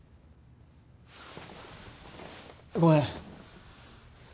ごめん。